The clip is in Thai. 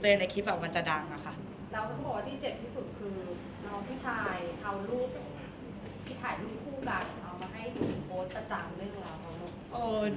แล้วที่เจ็บที่สุดคือน้องผู้ชายเขารูปที่ถ่ายรูปคู่กันเอามาให้ดูโพสต์ประจำด้วยหรือเปล่า